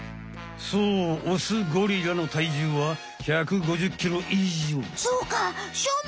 そうオスゴリラの体重は１５０ｋｇいじょう。